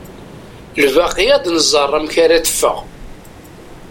Lbaqi ad nẓer amek ara teffeɣ.